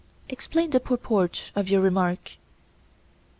Explain the purport of your remark.